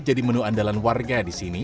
jadi menu andalan warga di sini